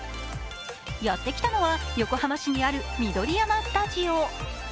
やってきたのは横浜市にある緑山スタジオ。